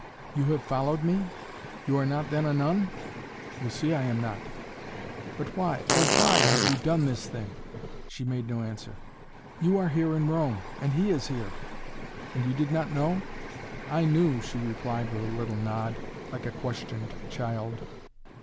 "You have followed me? You are not then a nun?" "You see I am not." "But why oh why, have you done this thing?" She made no answer. "You are here in Rome and he is here. And you did not know?" "I knew!" she replied with a little nod, like a questioned child.